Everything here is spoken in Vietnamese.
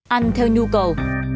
ăn theo nhu cầu